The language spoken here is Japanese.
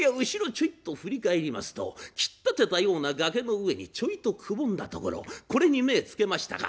ちょいと振り返りますと切っ立てたような崖の上にちょいとくぼんだ所これに目ぇつけましたか